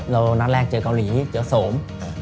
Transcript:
เรารถนัดแรกเจอกาลีเจอโสม